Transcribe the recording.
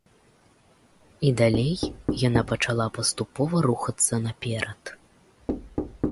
І далей яна пачала паступова рухацца наперад.